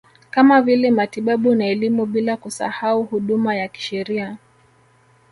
Kama vile matibabu na elimu bila kusahau huduma ya kisheria